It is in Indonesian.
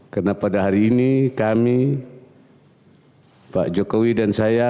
karena pada hari ini kami pak jokowi dan saya